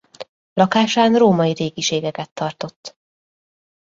Lakásán római régiségeket tartott.